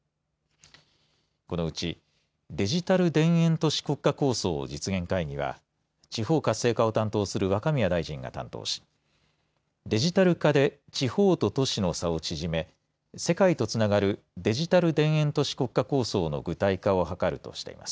このうちデジタル田園都市国家構想実現会議は地方活性化を担当する若宮大臣が担当しデジタル化で地方と都市の差を縮め世界とつながるデジタル田園都市国家構想の具体化を図るとしています。